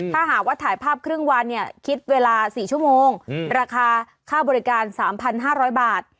ถ้าหากว่าถ่ายภาพครึ่งวันเนี่ยคิดเวลา๔ชั่วโมงราคาค่าบริการ๓๕๐๐บาท